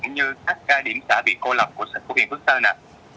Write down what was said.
như các điểm xã bị cô lập của huyện phước sơn ạ